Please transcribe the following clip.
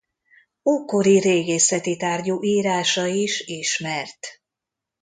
Ókori régészeti tárgyú írása is ismert.